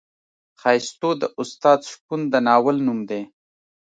ښایستو د استاد شپون د ناول نوم دی.